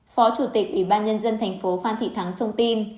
phó chủ tịch ủy ban nhân dân tp hcm phan thị thắng thông tin